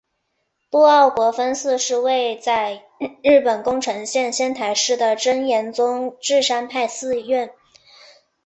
陆奥国分寺是位在日本宫城县仙台市的真言宗智山派寺院。